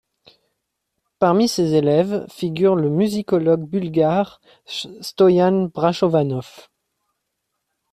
Parmi ses élèves, figure le musicologue bulgare Stoyan Brashovanov.